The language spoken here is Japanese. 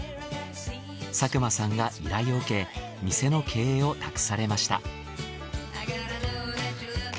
作間さんが依頼を受け店の経営を託されました。